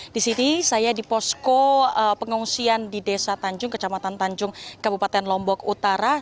di sini saya di posko pengungsian di desa tanjung kecamatan tanjung kabupaten lombok utara